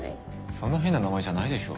そんな変な名前じゃないでしょ。